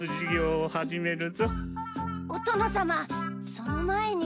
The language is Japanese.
その前に。